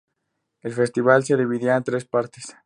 El festival se dividía en tres partes.